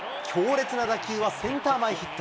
強烈な打球はセンター前ヒット。